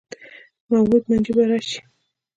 موعود منجي به یې راشي.